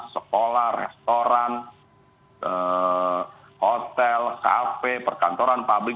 sekolah restoran hotel kafe perkantoran pabrik